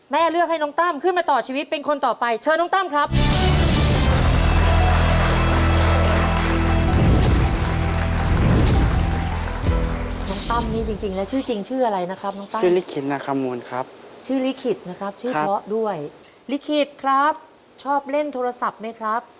แม่เลือกให้น้องตั้มขึ้นมาต่อชีวิตเป็นคนต่อไป